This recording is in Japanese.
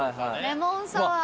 レモンサワー。